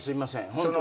ホントに。